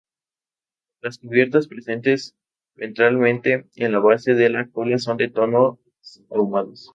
Las cubiertas presentes ventralmente en la base de la cola son de tonos ahumados.